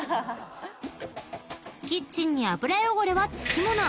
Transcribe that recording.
［キッチンに油汚れはつきもの］